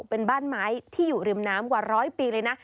เป็นบ้านไม้ที่อยู่ริมน้ำกว่าร้อยปีเลยนะ